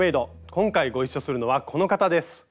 今回ご一緒するのはこの方です。